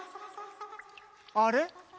あれ？